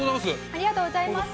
ありがとうございます。